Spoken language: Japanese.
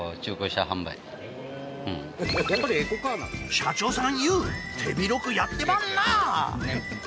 社長さんＹＯＵ手広くやってまんな